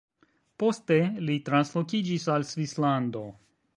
Poste li translokiĝis al Svislando.